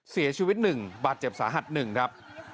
เสียชีวิตหนึ่งบาดเจ็บสาหัสหนึ่งครับ